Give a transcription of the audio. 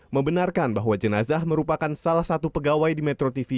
membenarkan bahwa jenazah merupakan salah satu pegawai di metro tv